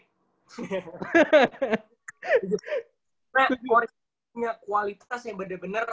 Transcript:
karena otoritasnya kualitas yang bener bener